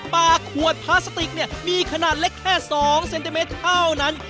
ปลาขวดพลาสติกมีขนาดเล็กแค่สองเซนติเมตรเท่านั้น